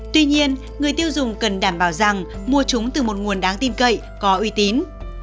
tuy nhiên người tiêu dùng cần đảm bảo rằng mua chúng từ một nguồn đáng tin cậy có uy tín